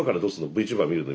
ＶＴｕｂｅｒ見るの？